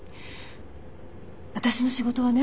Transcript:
私の仕事はね